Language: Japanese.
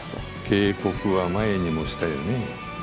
警告は前にもしたよね？